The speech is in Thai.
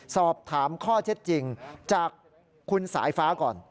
สอบถามข้อเท็จจริงจากคุณสายฟ้าก่อน